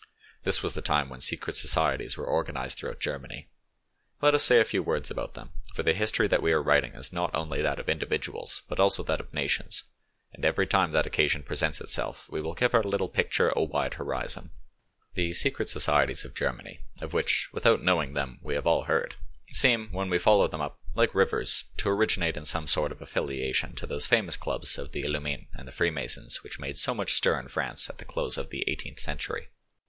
This was the time when secret societies were organised throughout Germany; let us say a few words about them, for the history that we are writing is not only that of individuals, but also that of nations, and every time that occasion presents itself we will give our little picture a wide horizon. The secret societies of Germany, of which, without knowing them, we have all heard, seem, when we follow them up, like rivers, to originate in some sort of affiliation to those famous clubs of the 'illumines' and the freemasons which made so much stir in France at the close of the eighteenth century.